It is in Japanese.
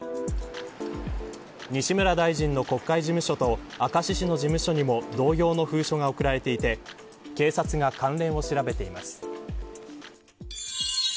西村大臣の国会事務所と明石市の事務所にも同様の封書が送られていて警察が関連を調べています。